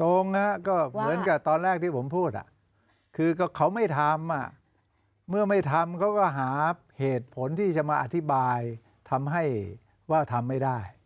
ตรงก็เหมือนกับตอนแรกที่ผมพูดคือเขาไม่ทำเมื่อไม่ทำเขาก็หาเหตุผลที่จะมาอธิบายทำให้ว่าทำไม่ได้